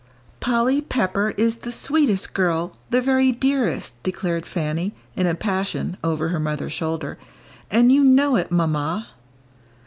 "Polly Pepper is the sweetest girl the very dearest," declared Fanny, in a passion, over her mother's shoulder, "and you know it, Mamma."